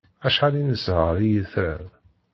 Acḥal i nesher i yetran!